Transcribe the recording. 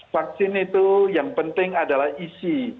vaksin itu yang penting adalah isi